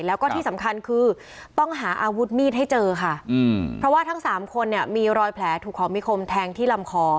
แล้วก็ที่สำคัญคือต้องหาอาวุธมีดให้เจอค่ะอืมเพราะว่าทั้งสามคนเนี่ยมีรอยแผลถูกของมีคมแทงที่ลำคอ